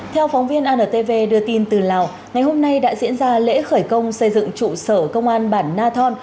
theo phóng viên antv đưa tin từ lào ngày hôm nay đã diễn ra lễ khởi công xây dựng trụ sở công an bản na thon